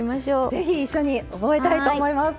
是非一緒に覚えたいと思います。